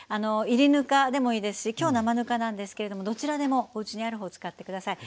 「いりぬか」でもいいですし今日「生ぬか」なんですけれどもどちらでもおうちにある方使ってください。